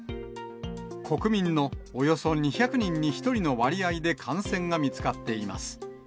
国民のおよそ２００人に１人の割合で感染が見つかっています。